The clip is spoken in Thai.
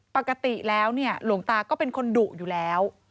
ปกติแล้วเนี่ยหลวงตาก็เป็นคนดุอยู่แล้ว